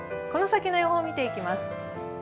この先の予報を見ていきます。